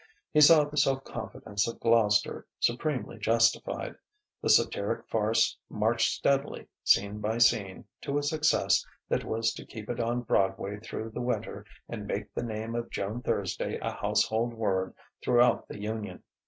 He saw the self confidence of Gloucester supremely justified: the satiric farce marched steadily, scene by scene, to a success that was to keep it on Broadway through the winter and make the name of Joan Thursday a house hold word throughout the Union.